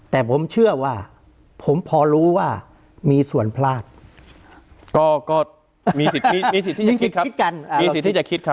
แต่ผมเชื่อว่าผมพอรู้ว่ามีส่วนพลาดก็มีสิทธิมีสิทธิ์ที่จะคิดครับมีสิทธิ์ที่จะคิดครับ